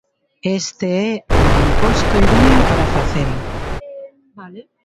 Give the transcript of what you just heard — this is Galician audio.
Este é o imposto idóneo para facelo.